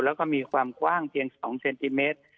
แล้วก็มีความกว้างเพียง๒เซนติเมตร